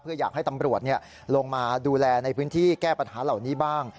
เพื่ออยากให้ตำรวจลงมาดูแลในพื้นที่แก้ปัญหาเหล่านี้บ้าง